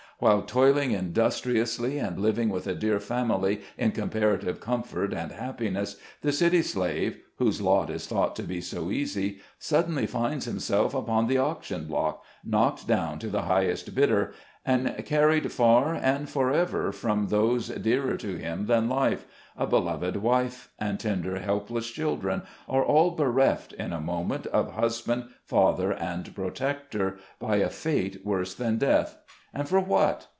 While toiling industriously, and living with a dear family in comparative comfort and happiness, the city slave CITY AND TOWN SLAVES. 193 (whose lot is thought to be so easy) suddenly finds himself upon the auction block, knocked down to the highest bidder, and carried far and forever from those dearer to him than life ; a beloved wife, and tender, helpless children are all bereft, in a moment, of husband, father and protector, by a fate worse than death ;— and for what